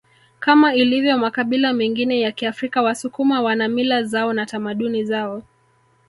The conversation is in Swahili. Kama ilivyo makabila mengine ya Kiafrika wasukuma wana mila zao na tamaduni zao